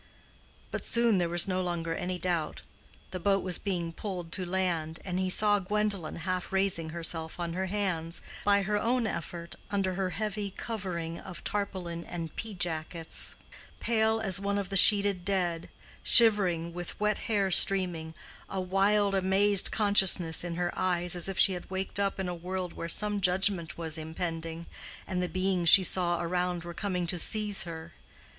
But soon there was no longer any doubt: the boat was being pulled to land, and he saw Gwendolen half raising herself on her hands, by her own effort, under her heavy covering of tarpaulin and pea jackets—pale as one of the sheeted dead, shivering, with wet hair streaming, a wild amazed consciousness in her eyes, as if she had waked up in a world where some judgment was impending, and the beings she saw around were coming to seize her.